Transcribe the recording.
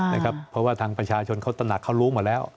เพราะว่าทางประชาชนเขาตระหนักเขารู้หมดแล้ว